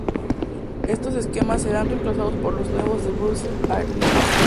Estos esquemas serán reemplazados por los nuevos de Brussels Airlines.